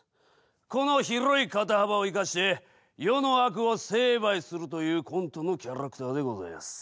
この広い肩幅を生かして世の悪を成敗するというコントのキャラクターでございます。